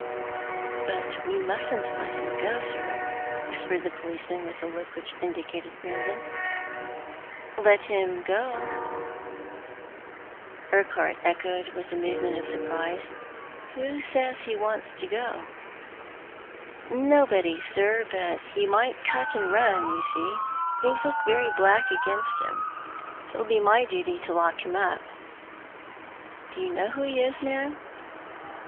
"But we mustn't let him go, sir," whispered the policeman, with a look which indicated Brandon. " Let him go !" Urquhart echoed, with a movement of surprise. " Who says he wants to go ?" "Nobody, sir, but he might cut and run, you see. Thing s look very black against him. It'll be my duty to lock him up."' " Do you know who he is, man